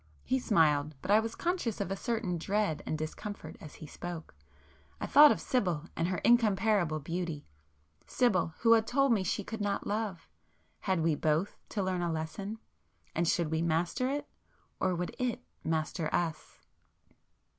He smiled,—but I was conscious of a certain dread and discomfort as he spoke. I thought of Sibyl and her incomparable beauty——Sibyl, who had told me she could not love,—had we both to learn a lesson? And should we master it?—or would it master us?